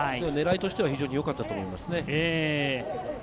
狙いとしては非常によかったと思います。